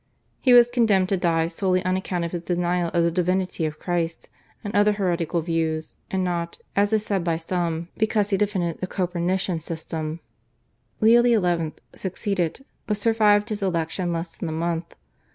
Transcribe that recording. He was condemned to die solely on account of his denial of the Divinity of Christ and other heretical views and not, as is said by some, because he defended the Copernican system. Leo XI. succeeded, but survived his election less than a month.